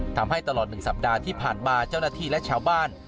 ทำให้ตลอด๑สัปดาห์ที่ผ่านมาเจ้าหน้าที่และชาวบ้าน